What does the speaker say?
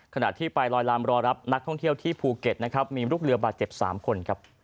ขณะที่ไปลอยลามรอรับนักท่องเที่ยวที่ภูเก็ตนะครับมีลูกเรือบาดเจ็บ๓คนครับ